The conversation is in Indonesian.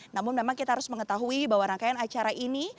namun memang kita harus mengetahui bahwa rangkaian acara ini